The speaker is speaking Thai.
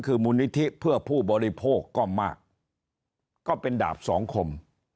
คือมูลนิธิเพื่อผู้บริโภคก็มากก็เป็นดาบสองคม